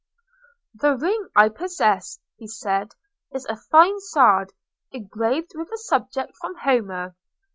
"The ring I possess," he said, "is a fine sard, engraved with a subject from Homer.